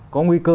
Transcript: có nguy cơ